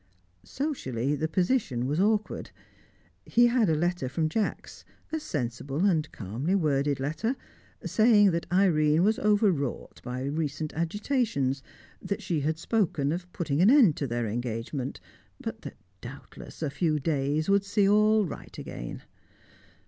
Socially, the position was awkward. He had a letter from Jacks, a sensible and calmly worded letter, saying that Irene was overwrought by recent agitations, that she had spoken of putting an end to their engagement, but that doubtless a few days would see all right again.